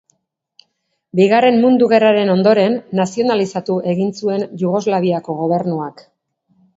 Bigarren Mundu Gerraren ondoren nazionalizatu egin zuen Jugoslaviako gobernuak.